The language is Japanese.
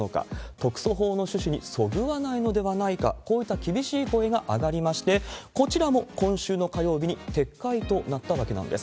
特措法の趣旨にそぐわないのではないか、こういった厳しい声が上がりまして、こちらも今週の火曜日に撤回となったわけなんです。